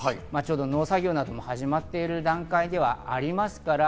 農作業なども始まっている段階ではありますから。